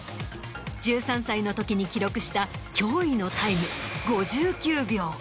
１３歳の時に記録した驚異のタイム。